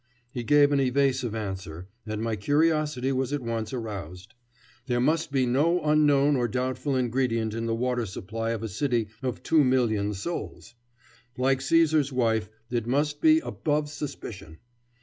He gave an evasive answer, and my curiosity was at once aroused. There must be no unknown or doubtful ingredient in the water supply of a city of two million souls. Like Caesar's wife, it must be above suspicion.